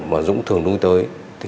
mà dũng thường đuôi tới